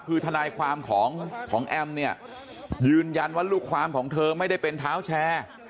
คือทนายความของแอมเนี่ยยืนยันว่าลูกความของเธอไม่ได้เป็นเท้าแชร์